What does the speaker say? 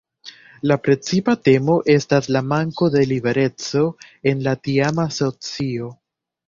La precipa temo estas la manko de libereco en la tiama socio.